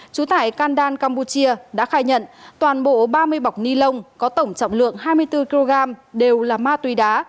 trú tại kandan campuchia đã khai nhận toàn bộ ba mươi bọc ni lông có tổng trọng lượng hai mươi bốn kg đều là ma túy đá